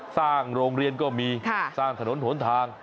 สร้างโรงเรียนก็มีสร้างถนนหนทาง